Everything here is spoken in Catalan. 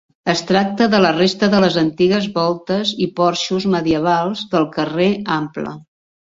Es tracta de la resta de les antigues voltes i porxos medievals del carrer Ample.